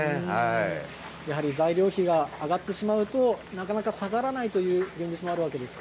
やはり材料費が上がってしまうと、なかなか下がらないという現実もあるわけですか。